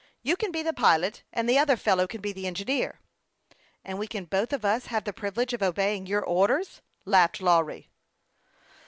You can be the pilot, and the other fellow can be the engineer." " And we can both of us have the privilege of obeying your orders," laughed Lawry.